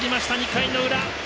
２回の裏。